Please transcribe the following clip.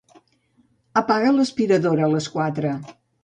Apaga l'aspiradora a les quatre.